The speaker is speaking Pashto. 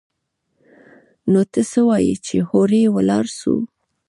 نو ته څه وايي چې هورې ولاړ سو.